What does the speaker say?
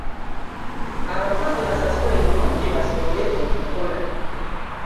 Abakozi basasule bulungi basobole okukola.